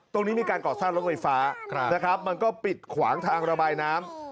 ตรงนี้มีการก่อสร้างรถไฟฟ้านะครับมันก็ปิดขวางทางระบายน้ำ